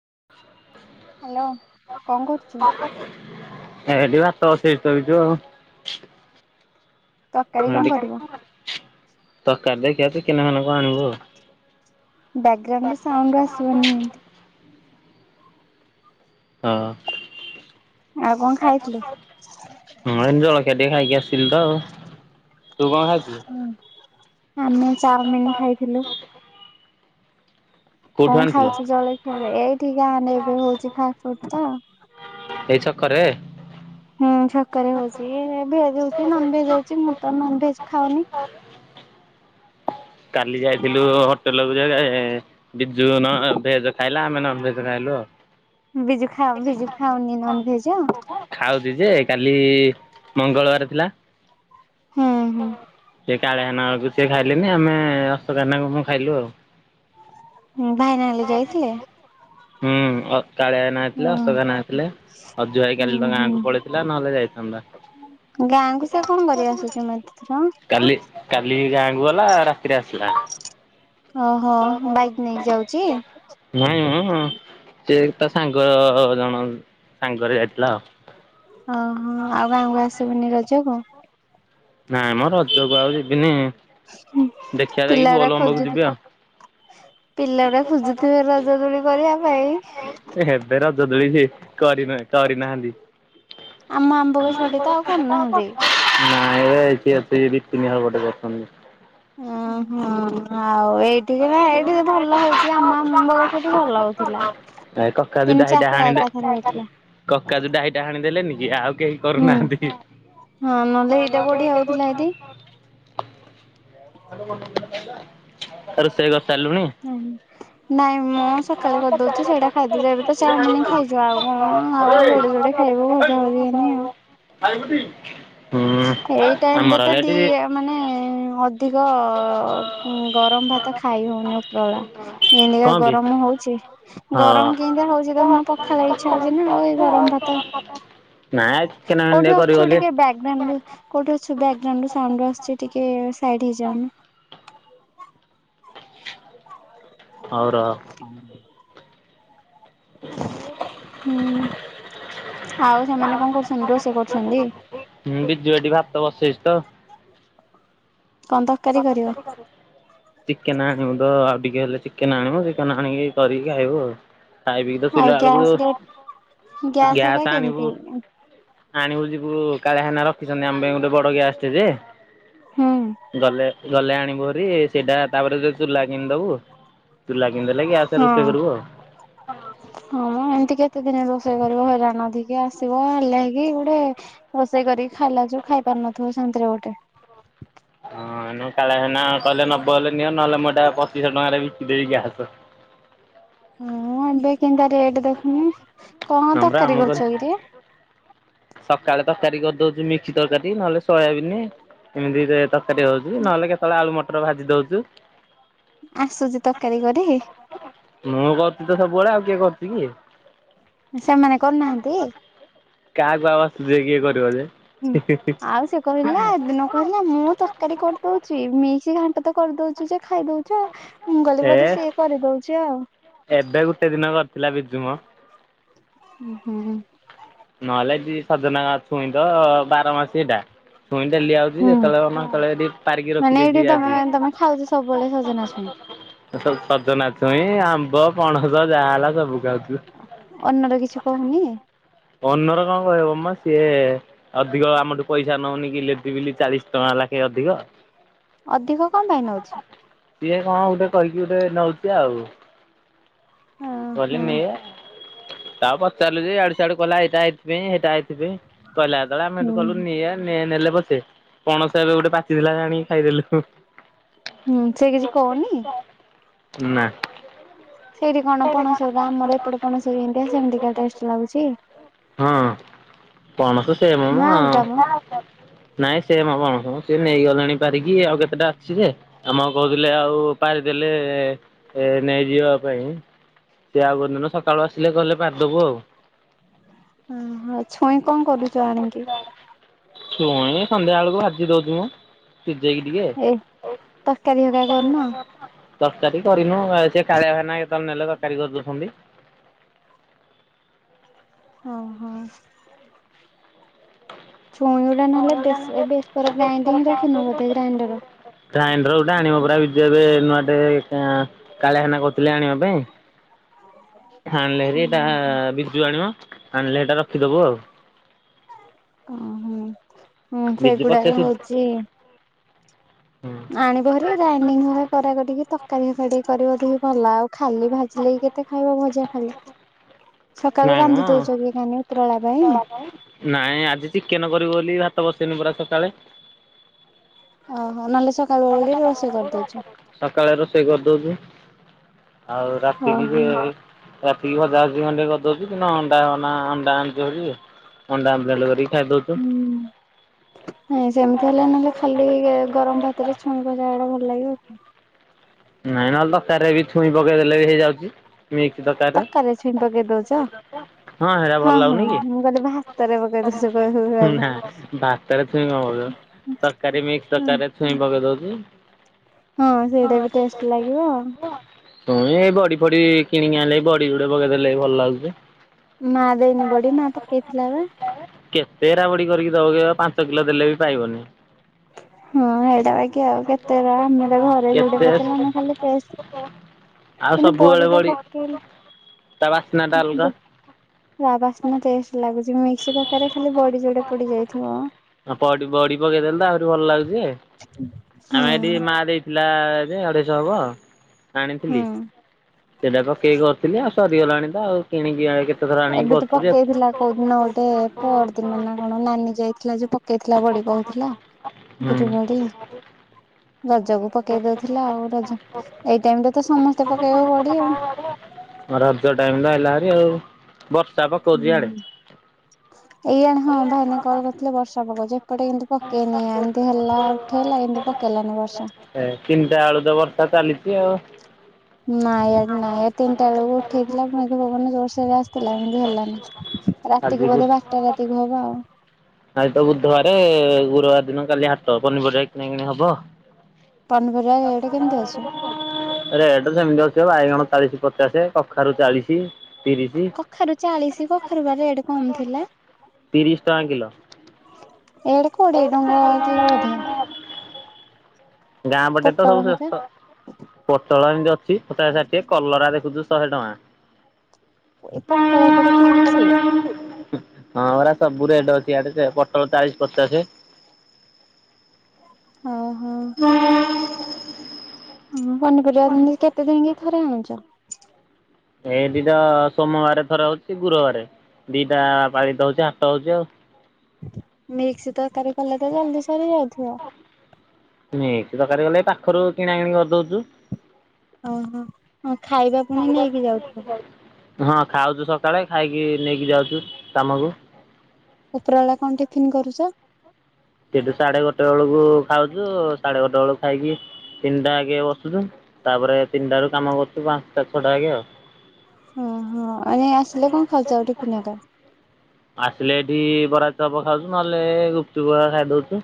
[inaudible] Hello କଣ କରୁଛୁ? ଏଇଠି ଭାତ ବସେଇ ଶୋଇଚୁ ଆଉ। ତ ତରକାରୀ କଣ କରିବ? କରିଦେଇ ସେଇ ଚିକେନ ଫିକେନ କଣ ଆଣିବୁ ଆଉ। ବ୍ୟାକଗ୍ରାଉଣ୍ଡ ସାଉଣ୍ଡ ଆସିବନି ଯେମିତି। ହଁ। ଆଉ ଆଉ କଣ ଖାଇଥିଲୁ? ଖାଇଥିଲୁ ହଁ ଏମିତି ଜଳଖିଆ ଟିକେ ଖାଇକି ଆସିଥିଲି ତ ଆଉ ତୁ ଆମେ କଣ ଚାଉମିିନ ଖାଇଥିଲୁ? କୋଉଠୁ କଣ ଆଣିଥିଲୁ? ଖାଉଚୁ ଜଳଖିଆ ରେ ଏଇଠି ବାହାରେ ହଉଛି ଫାଷ୍ଟ ଫୁଡ ତ ଏଇ ଛକ ରେ ହୁଁ ଛକରେ ହଉଛି ଏବେ ଭେଜବି ନନଭେଜ୍ ହଉଛି ନନଭେଜ [unintelligible] କାଲି ଯାଇଥିଲୁ ହୋଟେ ଲ ଜାଗା ଏ ବିଜୁ ନ ଭେଜ୍ ଖାଇଲା ଆମେ ନନ୍ ଭେଜ୍ ଖାଇଲୁ ଆଉ। ବିଜୁ ଖା ବିଜୁ ଖାଉନି ନନଭେଜ୍। ଖାଉଚି ଯେ କାଲି ମଙ୍ଗଳବାର ଥିଲା। ହୁଁ, ହୁଁ। ସେ କାଳିଆ ନାକୁ ସିଏ ଖାଇଲେନି ଆମେ ଅଃ ହୁଁ ଭାଇନା ହେଲେ ଯାଇଥିଲେ। ହୁଁ, ଅ କାଳିଆ ନା ଥିଲେ ହଁ ଅଶୋକା ନା ଥିଲେ, ଅଜୁ ଭାଇ କାଲି ହୁଁ ତାଙ୍କ ହୁଁ ଗାଁକୁ ପଳେଇଥିଲା ନହେଲେ ଗାଁକୁ ସେ ଯାଇଥାନ୍ତା। କଣ କରି ଆସୁଛି ମତେ ଥର କାଲି କାଲି ଗାଁକୁ ଗଲା ରାତିରେ ଆସିଲା, ଓହୋ ବାଇକ ନେଇକି ଯାଉଛି ନାହିଁ ଉଁ, ଉଁ, । ସିଏ ତା ସାଙ୍ଗ ଜଣ ସାଙ୍ଗରେ ଯାଇଥି ଓହୋ ଆଉ ଗାଁକୁ ଆସିବୁନି ରଜକୁ? ନାଇଁ ମୋ ରଜକୁ ଆଉ ଯିବିନି। ହୁଁ ଦେଖିବା ଯାଇକି ପିଲା ଗୁଡା ବୋଲବମକୁ ଖୋଜୁଥି, ଯିବି ଆଉ। ପିଲା ଗୁଡା ଖୋଜୁଥିବେ ରଜ ଦୋଳି କରିବା ପାଇଁ। କରିନେ କରି ନାହାନ୍ତି। ଆମ ଆମ୍ବ ଗଛ ଆଡେ ତ ଆଉ କରୁନାହାନ୍ତି। ନାଇଁ ଏବେ ଏଇଠି ଅଛି ଏଇ ଦି ତିନି ହବ ଗୋଟେ ଗଛ ନେଇ [inaudible] ଅଁ, ହଁ, ଆ ଆମ ଆମ୍ବ ଗଛଟି ଭଲ ହଉଥିଲା। ଏ କକା ଯୋଉ ତିନି ଡାହି ଡାହା ଚାରିଟା ହାଣିଲେ ଏକାଥରେ ହଉଥିଲା କକା ଯୋଉ ଡାହିଟା ହାଣି ଦେଲେନି କି ଆଉ କେହି ହୁଁ କରୁନାହାନ୍ତି କି? ହଁ ନହେଲେ ଏଇଟା ବଢିଆ ହଉଥିଲା ଏଇଠି। [inaudible] ଆରେ ସେ ଗ ନାହିଁ, ନାଇଁ ମୁଁ ସକାଳେ କରିଦଉଛି ସେଇଟା ଖାଇଦଉଚି, ଏବେ ତ ଚାଉମିନ ଖାଇଚୂ ଆଉ କଣ ଆଉ ବା ଯୋଡେ ଯୋଡେ ଖାଇବୁ ଭଜା ଭଜି ଘେନି ଆଉ। ହୁଁ ଏଇ ଟାଇମ୍ ରେ ଆମର ତ ହେଲେ ଦି ଏଠି ଆ, ମାନେ ଅଧିକ ଉଁ, ଗରମ ଭାତ ତ ଖାଇ ହଉନି ଉପରଳା, ଯେମତିକା କଣ ବି ଗରମ ହଉଛି ହଁ। ଗରମ କେମିତିକା ହଉଛି ଦେଖୁନୁ ପଖାଳ ଇଚ୍ଛା ହଉଛି ନା, ଆଉ ଏଇ ଗରମ ଭାତ, ନାଇଁ ଚିକେନ ଫିକେନ ଟିକେ କୋଉଠି କରିବି ଅଛୁ ବୋଲି ଟିକେ ବ୍ୟାଗ୍ ଗ୍ରାଉଣ୍ଡୁ, କୋଉଠି ଅଛୁ ବ୍ୟାଗ୍ ଗ୍ରାଉଣ୍ଡ ରୁ ସାଉଣ୍ଡ ଆସୁଛି ଟିକେ ସାଇଟ୍ ହେଇଯାଉନୁ। ହଉ ରହ। ହୁଁ। ଆଉ ସେମାନେ କଣ କରୁଛନ୍ତି, ରୋଷେଇ କରୁଛନ୍ତି? ମୁଁ ବିଜୁ ଏଠି ଭାତ କଣ ତରକାରୀ କରିବ? ଚିକେନ୍ ଆଣିବୁନ୍ ତ ଆଉ ଟିକେ ହେଲେ ଚିକେ ଚିକେନ ଆଣିବ ଚିକେନ ଆଣିକି କରିଛି ଖାଇବୁ ଆଉ। ଖାଇ ପିଇକି ତ ଆଉ ଶୋଇଲା ଗ୍ୟାସ ରେ ବେଳକୁ ଗ୍ୟାସ ହକା ଗ୍ୟାସ୍ ଆଣିବୁ କେମିତି ଆଣିବୁ ଯି ଓ କାଳେ ହେନା ରଖିଛନ୍ତି ଆମ ପାଇଁ ଗୋଟେ ବଡ ଗ୍ୟାସ୍ ଟେ ଯେ ହୁଁ। ଗଲେ ଗଲେ ଆଣିବୁଭାରି ସେଇଟା ତାପରେ ତା ଚୁଲା କିଣିଦବୁ ଚୁଲା କିଣିଦେଲେ ଗ୍ୟାସରେ ହଁ ରୋଷେଇ କରିବୁ ଆଉ। ହଁ ମ ଏମିତି କେତେ ଦିନ ରୋ କରିବ ହଇରାଣ ଅଧିକା ଆସିବ ହେଲାକି ଗୋଟେ ରୋଷେଇ କରିକି ଖାଇଲା ବେଳେ ଯୋଉ ଖାଇ ପାରୁନଥିବ ଶାନ୍ତି ରେ ଗୋଟେ। ହଁ କାଳିଆ ନନା କହିଲେ ନବ ହେଲେ ନିଅ ନହେଲେ ମୁଁ ଏଟା ପଚିଶହ ଟଙ୍କାରେ ବିକିଦେବି ଗ୍ୟାସ୍। ହଁ ଏବେ କେମିତିଆ ରେଟ୍ ଦେଖୁନୁ। କଣ ହଁ ପରା ତରକାରୀ ମୁଁ କହିଲି କରିଛ କି ରେ? ସକାଳେ ତରକାରୀ କରିଦଉଛି ମିକ୍ସି ତରକାରୀ ନହେଲେ ସୋୟାବିିନ ଏମିତି କାଟି ଦଉଛି ନହଲେ କେତେଳେ ଆଳୁ ମ ଭାଜି ଦଉଛୁ। ଆସୁଛି ତରକାରୀ କରି? ମୁଁ କରୁଛି ତ ସବୁବେଳେ ଆଉ କିଏ କରୁଛି କି? ସେମାନେ କରୁନାହାନ୍ତି? ରୋଷେଇ କିଏ କରିବ ଯେ। ହୁଁ ଆଉ ସେ କହିଲା ସେଦିନ କହିଲା ମୁଁ ତ ତରକାରୀ କରିଦଉଛି ମିକ୍ସ ଘାଣ୍ଟ ତ କରିଦଉଛି ଯେ ଖାଇଦଉଛୁ ଆଉ ମୁଁ କହିଲି ଏ ବୋଧେ ସିଏ କରିଦଉଛି ଆଉ। ଏବେ ଗୋଟେ ଦିନ କରିଥିଲା ବିଜୁ ମ ହୁଁ ହୁଁ। ନ ହେଲେ ଯିଏ ସଜନା ଛୁଇଁର ତ ବାର ମାସି ସେଇଟା। ହୁଁ ପାରିକି ମାନେ ରଖିଦେଇଛି ଏଇଠି ତମେ ଆଜି। ତମେ ଖାଉଛ ସବୁବେଳେ ସଜନା ଛୁଇଁ। ସଜନାଛଇଁ ଆମ୍ବ ପଣସ ଯାହା ହେଲା ସବୁ। ଖାଉଛୁ। ଅନର କିଛି କହୁନି? ୱନର କଣ କହିବ ମ ସିଏ ଅଧିକ ଆମଠୁ ପଇସା ନଉନି କି ଇଲେକ୍ଟ୍ରି ବିଲ୍ ଚାଳିଶ ଟଙ୍କା ଲେଖା ଅଧିକ। ଅଧିକ କଣ ପାଇଁ ନଉଛି? ସିଏ କଣ ଗୋଟେ କହିକି ଗୋଟେ ନଉଛି ଆଉ। ହଁ ହଁ। ଗଲିନି। ତାକୁ ପଚାରିଲୁ ଯେ ଏଆଡୁ ସେଆଡୁ କହିଲା ଏଇଟା ଏଇଥିପାଇଁ ହେଇଟା ହେଇ ପାଇଁ କହିଲା ଯେତେବେଳେ ଆମେ ହୁଁ କହିଲୁ ନେ ନେ ନେଲେ ବସେ ପଣସ ଏବେ ଗୋଟେ ପାଚିଥିଲା ଯେ ଆଣିକି ଖାଇଦେଲୁ। ହୁଁ ସେ କିଛି କହୁନି। ନା ସେଇଠି କଣ ପଣସଉରା ଆମର ଏପଟେ ପଣସ ଯେମିତିଆ ସେମିତିକା ଟେଷ୍ଟ ଲାଗୁଛି ହଁ ପଣସ ସେମ ମ ନା ଅଲଗା ହଁ। ନାଇଁ ସେଇ ମ ପଣସ ମ ସେ ନେଇଗଲେଣି ପାରିକି ଆଉ କେତେଟା ଅଛି ଯେ ଆମ କହୁଥିଲେ ଆଉ ପାରିଦେଲେ ନେଇଯିବା ପାଇଁ। ସେ ଆଉ କଉଦିନ ସକାଳୁ ଆସିଲେ ଗଲେ ପାରିଦବୁ ଆଉ। ଅ ହଁ ଛୁଇଁ କଣ କରୁଚ ଆଣିକି? ଛୁଇ ସନ୍ଧ୍ୟା ବେଳକୁ ଭାଜି ଦଉଚି ମୁଁ। ଏ ତରକାରୀ ହରିକା କରୁନ। ତରକାରୀ କରିନୁ ସେ କାଳିଆ ଭାଇନା ନେଲେ ତରକାରୀ କରି ଦେଉଛନ୍ତି। ଓହୋ ଛୁଇଁ ଗୁଡା ନହେଲେ ବେଶ ବେଶର ଗ୍ରାଇଣ୍ଡିଙ୍ଗ ରଖିନ ବୋଧେ ଗ୍ରାଇଣ୍ଡର ଗ୍ରାଇଣ୍ଡର ଗୋଟେ ଆଣିବା ପୁରା ବିଜୁ ଏବେ ନୂଆ ଟେ କାଳିଆନା କହୁଥିଲେ ଆଣିବା ପାଇଁ। ଆଣିଲେ ହେଇଟା ବିଜୁ ଆଣିବ ଆଣିଲେ ଏଇଟା ରଖିଦବୁ ଆଉ। ଓହୋ ହୁଁ ବିଜୁ ପଛେ ସେଗୁଡାକ ସୁ ହଉଚି ହୁଁ ଆଣିବଭାରି ଗ୍ରାଇଣ୍ଡିଙ୍ଗ ହକା କରିକି ଟିକେ ତରକାରୀ ହେକା ଟିକେ କରିବ ଅଧିକ କଣ ଲା ଖାଲି ଭାଜିଲେବି କେତେ ଖାଇବ ଭଜା। ହାଲୋ ନାଇଁ ପାଇଁ? ମ ନାଇଁ ଆଜି ଚିକେନ କରିବୁ ବୋଲି ଭାତ ବସ ତିନିବେଳା ସକାଳେ ଓହୋ ନହଲେ ସ ଖାଇବ ବୋଲି ରୋଷେଇ ଚା ସକାଳେ ରୋଷେଇ କରିଦେଇଚୁ। ଆଉ ରାତିକି ଓହୋ। ରାତିକି ଭଜା ଭୁଜି କଁଟିକିଏ କରିଦଉଛି ଦିନ ଅଣ୍ଡା ଅନା ଅଣ୍ଡା [unintelligible] କରିକି ଖାଇଦଉଛୁ ହଁ ନାଇଁ ସେମିତି ହେଲେ ନହେଲେ ଖାଲି ଗରମ ଭାତ ରେ ଛୁଇଁ ଭଜା ଟା ଭଲ ଲାଗିବ କି? ନାଇଁ ନହେଲେ ତକାରୀରେ ବି ଛୁଇଁ ପକେଇ ଦେେଲେ ବି ହେଇଯାଉଛି। ମିସ୍କ ତକାରୀ ରେ ତରକାରୀରେ ଛୁଇଁ ପକେଇ ଦଉଛ? ହଁ ହେରା ଭଲ ହଁ ଲାଗୁନି କି? ମୁଁ କହିଲି ଭାତରେ ପକେଇ ଦଉଛ କହିବି ହଁ ହୁଁ ହଁ ସେଇଟା ବି ଟେଷ୍ଟ ଲାଗିବ [unintelligible] ଶୁଣି ଏଇ ବଡି ଫଡି କିଣିକି ଆଣିଲେ ବଡିୁଡି ପକେଇଦେଲେ ଭଲ ଲାଗୁଛି। ମା ଦେଇନି ବଡ଼ି ମା ପକେଇଥିଲା ବା ତେରା ବଡି କରିକି ଦବକ ପାଞ୍ଚ କିଲୋ ଦେଲେ ବି ପାଇବନି। ହଁ ସେଇଟା ବାକି ଆଉ କେତେଟା ଆମେ ଘରେ ଯୋଉଡେ କେତେ ପେଇ ଆମେ ଖାଲି ଟେଷ୍ଟ ଆଉ କିନ୍ତୁ ସବୁବେଳେ ବଡି ଟା ତା ବାସ୍ନା ଟା ଅଲଗା ପକେଇଲେ ବାସ୍ନା ଟେଷ୍ଟ ଲାଗୁଛି। ମିକ୍ସ ତରକାରୀ ରେ ଖାଲି ବଡି ଯୋଡ଼େ ପଡି ଯାଇଥିବ। ବଡି ବଡି ପକେଇଦେଲେ ତ ଆହୁରି ଭଲ ଲାଗୁଛି ହଁ ଆମେ ଏଠି ମା ଦେଇଥିଲା ଟା ଏବେ ଅଢେଇଶହ ହବ ଅ ଆଣିଥିଲି ହଁ। ସେଟା ପକେଇକି କରିଥିଲି ଆଉ ସରିିଗଲାଣି ତ ଆଉ କିଣ କିଆକି କେତେ ଥର କରିଥିଲି ଆଉ ଏ ପର ଦିନ ନା କଣ ନାନୀ ଯାଇକି ଆଜି ପ ପକେଇଥିଲା ବଡି କହୁଥିଲା ବିରି ବଡି ରଜକୁ ପକେଇ ଦଉଥିଲା ଆଉ ରଜ ଏଇ ଟାଇମରେ ତ ସମସ୍ତେ ପକେଇବ ବଡି ଆଉ ହୁଁ ରଜ ଟାଇମ ଟା ଆଇଲା ଭାରି ଆଉ ବର୍ଷା ପକଉଛି ହୁଁ ଇଆଡେ। ଏଇ ଜଣେ ହଁ ଭାଇନା କଲ କରିଥିଲେ ବର୍ଷ ହବ ଯେ ଏପଟେ କିନ୍ତୁ ପକେଇନି ଏମିତି ହେଲା ଉଠେଇଲା କିନ୍ତୁ ପକେଇଲାନି ବର୍ଷା ଏ ତିନିଟା ବେଳୁ ତ ବର୍ଷା ଚାଲିଛି ଆଉ ନାଇଁ ନାଇଁ ତିନିଟା ବେଳକୁ ଉଠେଇଥିଲା ମେଘ ପବନ ଜୋରସୋର ରେ ଆସିଥିଲା କିନ୍ତୁ ହେଲାନି ଆଜି ରାତିକୁ ବୁ ବୋଧେ ବାରଟା ରାତିକୁୁ ହବ ଆଉ ଆଜି ତ ବୁଧବାରେ ଗୁରୁବାର ଦିନ କାଲି ହାଟ ପନିପରିବା କିଣା କିଣି ହବ ପନିପରିବା ରେଟ୍ କେମିତି ଅଛି? ରେଟ ସେମିତି ଅଛି ବାଇଗଣ ଚାଳିଶି ପଚାଶ କଖାରୁ ଚାଳିଶ ପ କଖାରୁ ଚାଳିଶ କଖାରୁ ବା ରେଟ କମି ଥିଲା। ତିରିଶ ଟଙ୍କା କିଲୋ ଏଡେ କୋଡ଼ିଏ ଟଙ୍କା କିଲୋ ବଧେ ଗାଁ ପଟେ ତ ସବୁ ଶସ୍ତା। ପୋଟୋଳ ଏମିତି ଅଛି ପଚାଶେ ଷାଠିଏ କଲରା ଦେଖୁଛୁ ଶହେ ଟଙ୍କା ପୋଟୋଳ ଏପଟେ ତିରିଶି ହଁ ପରା ସବୁ ରେଟ ଅଛି ଏଆଡେ ପୋଟଳ ଚାଳିଶ ପଚାଶ। ଓହୋ ପନିପରିବା କେତେ ଦିନି କି ଥରେ ଆଣୁଛ। ଏଇଠି ତ ସୋମବାର ଥରେ ହଉଛି ଗୁରୁବାର ଦିଟା ପାଳିତ ହଉଛି ହାଟ ହଉଛି ଆଉ ମିକ୍ସ ତ ତରକାରୀ କଲେ ତ ଜଲଦି ସରି ଯାଉଥିବ। ସେ ତରକାରୀ କଲେ ପାଖରୁ କିଣା କିିଣି କରିଦଉଚୁ। ଓହୋ ହଁ ଖାଇବା ପୁଣି ନେଇକି ଯାଉଥିବ ହଁ ଖାଉଛୁ ସକାଳେ ଖାଇକି ନେଇକି ଯାଉଛୁ କାମକୁ। ଉପର ବେଳା କଣ ଟିଫିନ୍ କରୁଛ। ସେଠୁ ସାଢେ ଗୋଟେ ବେଳକୁ ଖାଉଛୁ ସାଢେ ଗୋଟେ ବେଳକୁ ଖାଇକି ତିନିଟା ଆଙ୍କେ ବସୁଛୁ ତାପରେ ତିନିଟା ବେଳୁ କାମ କରୁଚୁ। ସେଠୁ ପାଞ୍ଚଟା ଛଅ ଟା ଯାକେ ଆଉ। ଓ ହୋ ଆସିଲେ କଣ ଖାଉଛ ଟିଫିନ୍ ହେରୀକା? ଆସିଲେ ଏଠି ବରା ଚପ ଖାଉଛୁ ନହେଲେ ଗୁପଚୁପ ହେରିକା ଖାଇଦଉଛୁ।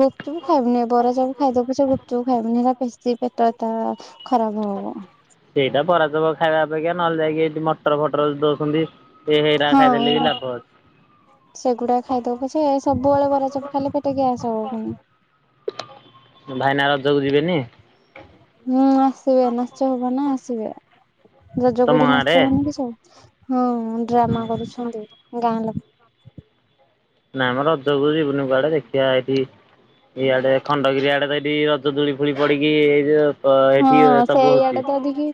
ଗୁପଚୁପ ଖାଇବନି ବରା ଚପ୍ ଖାଇଦବ ପଛେ ଗୁପଚୁପ ଖାଇବନି ହେରା ବେଶୀ ପେଟଟା ଖରାପ ହବ। ସେଇଟା ବରା ଚପ ଖାଇବା ଅପେକ୍ଷା ନହେଲେ ଯାଇକି ଏଇ ମଟର ଫଟର ଦ [unintelligible] ହଁ ଏଉଡା ସେଗୁଡା ଖାଇଦବ ପଛେ ସବୁବେଳେ ବରା ଚପ ଖାଇଲେ ପେଟ ଗ୍ୟାସ ହବ ପୁଣି। ଭାଇନା ରଜକୁ ଯିବେନି। ହଁ ଆସିବେ ନାଚ ହବ ନା ଆସିବେ ରଜ ତମ କୁ ଏଠି ଗାଁରେ? ନାଚ ହଉନି କି ସବୁ ହଁ ଡ୍ରାମା କରୁଛନ୍ତି ଗାଁ ଲୋକ [inaudible] ନାଇଁମ ରଜକୁ ଯିବୁନି କୁଆଡେ ଦେଖିବା ଏଇଠି ଇଆଡେ ଖଣ୍ଡଗିରି ଆଡେ ତ ଏଠି ରଜ ଦୋଳି ଫୋଳି ପଡିକି ଏଇ ଯଉ ହଁ ସେଇଆଡେ ତ ଅଧିକି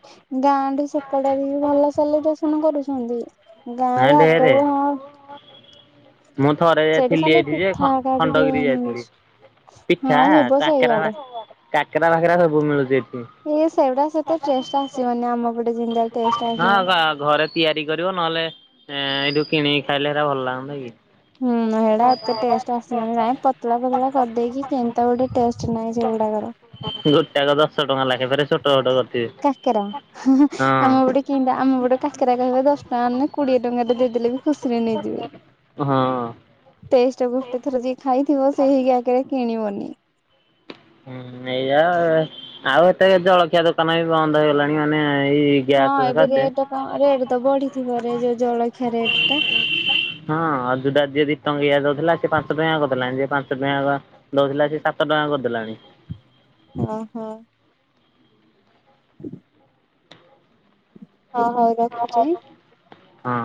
ଗାଁ ଠୁ ସେପଟେ ଭଲ ସେଲିବ୍ରେସନ କରୁଛନ୍ତି। ଛନ୍ତି। ହଁ ଗାଁରେ ଆଗ ଢେରେ। ରୁ ହଁ ମୁଁ ଥରେ ସେଇଠି ଯାଇଥିଲି ଖାଲି ଏଇଠି ଯେ ପିଠା ହେକା ଟିକେ ଖଣ୍ଡଗିରି ଯାଇଥିଲି ମିଳୁଛି। ପିଠା ହଁ ଯିବ କାକରା ସେଇଆଡେ କାକେରା ଫାକେରା ସବୁ ମିଳୁଛି ଏଠି। ଇଏ ସେଗୁଡା ସେତେ ଟେଷ୍ଟ ଆସିବନି ଆମ ପଟେ ଯେମିତିଆ ଟେଷ୍ଟ ଆସିବ। ହଁ ଘରେ ତିଆରି କରିବ ନହେଲେ ଏଇଠୁ କିଣିକି ଖାଇଲେ ହେରା ଭଲ ଲାଗୁନି କି ହୁଁ ହେଟା ଏତେ ଟେଷ୍ଟ ଆସିବନି ନାଇଁ ପତଳା ପତଳା କରିଦେଇକି କେମିତିଆ ଗୋଟେ ଟେଷ୍ଟ ନାହିଁ ସେଗୁଡାକର। ଏରା ଦଶ ଟଙ୍କା ଲାଖେ ଫେରେ ଛୋଟ ଛୋଟ କରୁ କାକେରା ଆମ ଗୋଟେ କେ ଆମ ଗୋଟେ କାକେରା କହିବା ଦଶ ଟଙ୍କା ନେ କୋଡିଏ ଟଙ୍କା ଟା ଦେଇଦେଲେ ବି ଖୁସିରେ ନେଇଯିବେ। ହଁ। ଯୋଉ ଗୋଟେ ଥର ଯିଏ ଖାଇଥିବ ସେଇ କାକରା କିଣିବନି। ହୁଁଁ ଏଇଆ ଆଉ ଏତେ ଜଳଖିଆ ଦୋକାନ ବି ବନ୍ଦ ହେଇଗଲାଣି ମାନେ। ଏଇ ଗ୍ୟାସ୍ ହଁ ଏବେ ସକାଶେ ରେଟ କଣ ରେଟ ତ ବଢିଥିବ ରେ ଯୋଉ ଜଳଖିଆ ରେଟ ଟା। ହଁ ଅଯୁଟା ଯିଏ ଦି ଟଙ୍କିଆ ଦଉଥିଲା ସେ ପାଞ୍ଚ ଟଙ୍କିଆ କରିଦେଲାଣି, ଯିଏ ପାଞ୍ଚ ଟଙ୍କା ଦଉଥିଲା ସେ ସାତ ଟଙ୍କା କରିଦେଲାଣି। ଅ ହ। [inaudible] ହ ହଉ ରଖୁଛି। ହଁ।